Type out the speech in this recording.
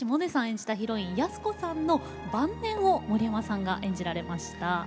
演じたヒロイン安子さんの晩年を森山さんが演じられました。